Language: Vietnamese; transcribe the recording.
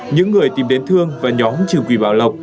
những người tìm đến thương và nhóm trừ quỷ bảo lộc